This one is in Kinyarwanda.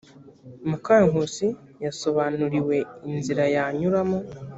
mukankusi yasobanuriwe inzira yanyuramo